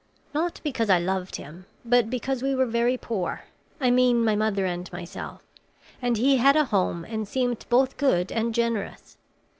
"Not because I loved him, but because we were very poor I mean my mother and myself and he had a home and seemed both good and generous.